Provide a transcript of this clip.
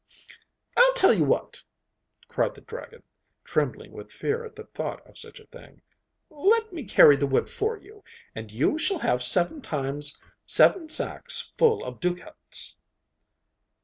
'I'll tell you what,' cried the dragon, trembling with fear at the thought of such a thing; 'let me carry the wood for you, and you shall have seven times seven sacks full of ducats.